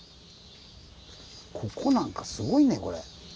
ここなんかすごいねこれ。